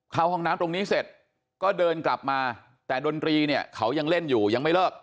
เข้าห้องน้ำตรงนี้เสร็จก็เดินกลับมาแต่ดนตรีเนี่ยเขายังเล่นอยู่ยังไม่เลิก